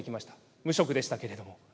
無職でしたけれども。